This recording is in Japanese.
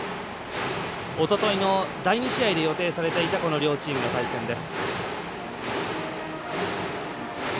おとといの第２試合で予定されていた両チームの対戦です。